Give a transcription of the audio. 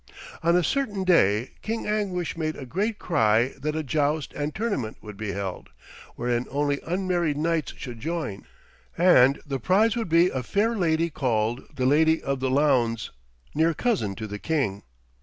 On a certain day King Anguish made a great cry that a joust and tournament would be held, wherein only unmarried knights should join, and the prize would be a fair lady called the Lady of the Laundes, near cousin to the king.